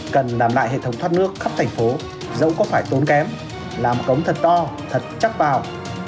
cần làm lại hệ thống thoát nước khắp thành phố dẫu có phải tốn kém làm cống thật to thật chắc vào